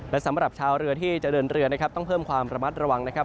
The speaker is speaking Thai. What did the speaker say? และสำหรับชาวเรือที่จะเดินเรือนะครับต้องเพิ่มความระมัดระวังนะครับ